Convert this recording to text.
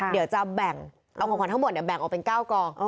เดี๋ยวจะแบ่งเอาของขวัญทั้งหมดแบ่งออกเป็น๙กอง